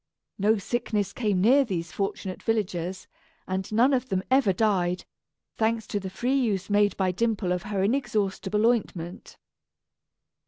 No sickness came near these fortunate villagers; and none of them ever died thanks to the free use made by Dimple of her inexhaustible ointment.